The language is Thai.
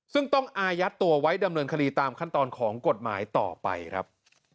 ซึ่งต้องอายัดตัวไว้ดำเนินคดีตามขั้นตอนของกฎหมายต่อไปครับ